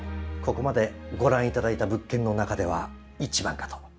ここまでご覧いただいた物件の中では一番かと。